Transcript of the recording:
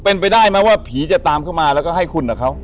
เป็นไปได้ไหมว่าผีจะตามเข้ามาแล้วก็ให้คุณกับเขา